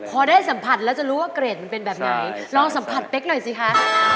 พอได้สัมผัสแล้วจะรู้ว่าเกรดมันเป็นแบบไหนลองสัมผัสเป๊กหน่อยสิคะ